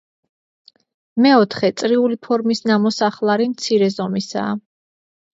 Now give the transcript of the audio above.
მეოთხე, წრიული ფორმის ნამოსახლარი მცირე ზომისაა.